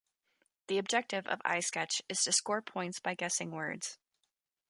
The objective of iSketch is to score points by guessing words.